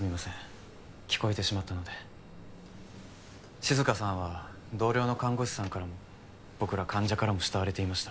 静香さんは同僚の看護師さんからも僕ら患者からも慕われていました。